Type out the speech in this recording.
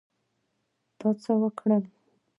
تا څه وکړل؟